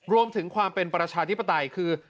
รวมถึงความเป็นประชาธิปไตยคือ